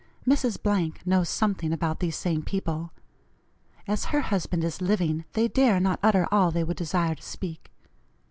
Mrs. knows something about these same people. As her husband is living they dare not utter all they would desire to speak.